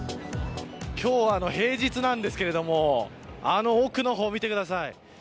今日は平日なんですけれどもあの奥の方を見てください。